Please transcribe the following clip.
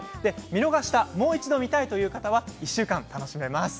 見逃したもう一度、見たいという方々は１週間お楽しみいただけます。